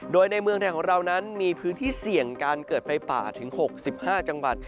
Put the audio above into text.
โดยในเมืองไทยของเรานั้นมีพื้นที่เสี่ยงการเกิดไฟป่าถึง๖๕จังหวัด